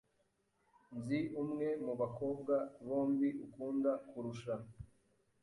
Nzi umwe mubakobwa bombi ukunda kurusha.